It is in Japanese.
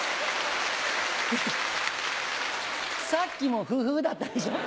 さっきも「フフフ」だったでしょ？